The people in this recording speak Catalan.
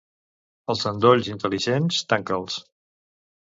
Els endolls intel·ligents, tanca'ls.